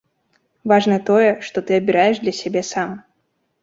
Важна тое, што ты абіраеш для сябе сам.